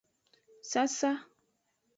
Sasa.